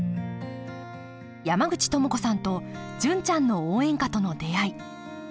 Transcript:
山口智子さんと「純ちゃんの応援歌」との出会い。